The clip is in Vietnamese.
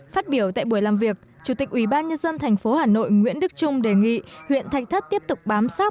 phát biểu tại buổi làm việc chủ tịch ubnd tp hà nội nguyễn đức trung đề nghị huyện thạch thất tiếp tục bám sát